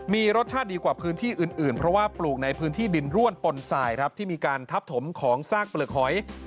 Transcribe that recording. มีรสชาติดีกว่าพื้นที่อื่นเพราะว่าปลูกในพื้นที่ดินร่วนปนสายครับที่มีการทับถมของซากเปลือกหอย